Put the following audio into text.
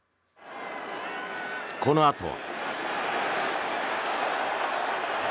このあとは。